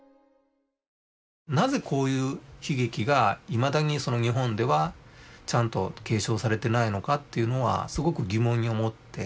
なぜこういう悲劇がいまだに日本ではちゃんと継承されていないのかというのはすごく疑問に思って。